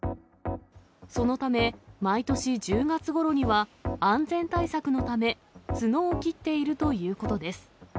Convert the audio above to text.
そのため、毎年１０月ごろには、安全対策のため、角を切っているということです。